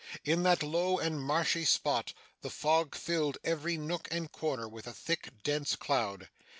In that low and marshy spot, the fog filled every nook and corner with a thick dense cloud.